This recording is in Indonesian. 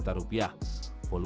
dari kandang ya bu